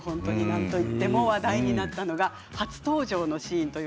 話題になったのが初登場のシーンです。